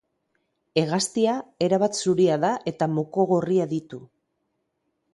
Hegaztia erabat zuria da eta moko gorria ditu.